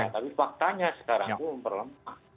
tapi faktanya sekarang pun memperlemah